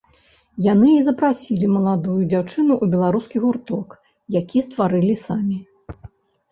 Яны і запрасілі маладую дзяўчыны ў беларускі гурток, які стварылі самі.